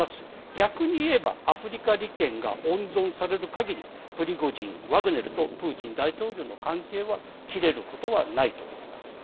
逆にいえばアフリカ利権が温存される限りプリゴジン、ワグネルとプーチン大統領の関係は切れることはないと思います。